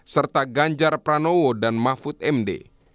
serta ganjar pranowo dan mahfud md